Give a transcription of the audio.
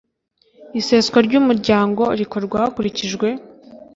iseswa ry umuryango rikorwa hakurikijwe